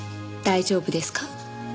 大丈夫ですか？